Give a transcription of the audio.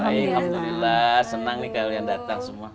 baik alhamdulillah senang nih kalian datang semua